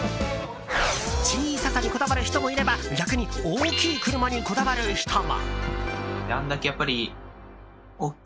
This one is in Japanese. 小ささにこだわる人もいれば逆に大きい車にこだわる人も。